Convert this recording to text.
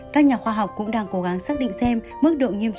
các nhà khoa học cũng đang cố gắng xác định xem mức độ nhiễm